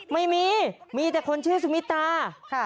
ไม่มีมีแต่คนชื่อสุมิตา